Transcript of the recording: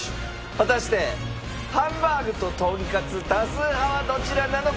果たしてハンバーグととんかつ多数派はどちらなのか？